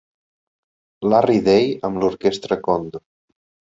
Larry Day amb l'orquestra Cond.